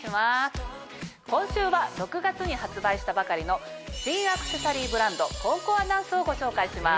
今週は６月に発売したばかりの新アクセサリーブランド。をご紹介します。